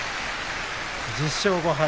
１０勝５敗。